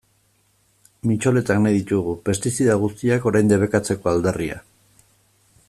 Mitxoletak nahi ditugu, pestizida guztiak orain debekatzeko aldarria.